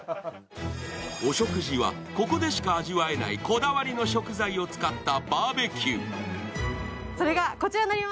お食事はここでしか味わえないこだわりの食材を使ったバーベキュー。